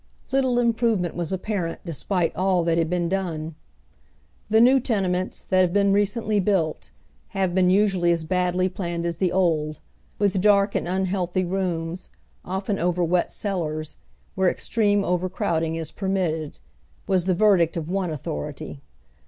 Little improvement was apparent despite all that had been done. "The new tenements, that have been re cently built, have been usually as badly planned as the old, with dark and unhealthy i ooms, often o^'er wet cel lars, where extreme overcrowding is permitted," was the verdict of one authority.